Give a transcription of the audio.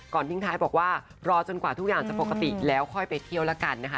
ทิ้งท้ายบอกว่ารอจนกว่าทุกอย่างจะปกติแล้วค่อยไปเที่ยวแล้วกันนะคะ